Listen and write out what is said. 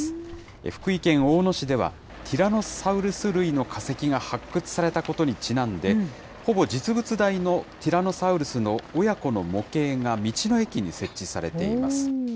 福井県大野市では、ティラノサウルス類の化石が発掘されたことにちなんで、ほぼ実物大のティラノサウルスの親子の模型が道の駅に設置されています。